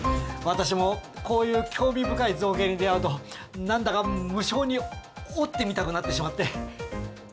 私もこういう興味深い造形に出会うとなんだか無性に折ってみたくなってしまって。